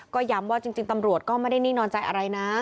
ก็ย้ำว่าจริงตำรวจก็ไม่ได้นิ่งนอนใจอะไรนะ